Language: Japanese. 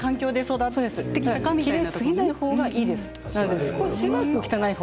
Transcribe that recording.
きれいすぎない方がいいです。